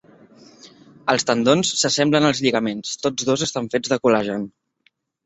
Els tendons s'assemblen als lligaments; tots dos estan fets de col·lagen.